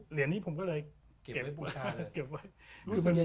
เหรียญนี้ผมก็เลยเก็บไว้